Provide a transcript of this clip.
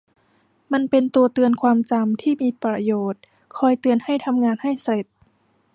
มันเป็นตัวเตือนความจำที่มีประโยชน์ คอยเตือนให้ทำงานให้เสร็จ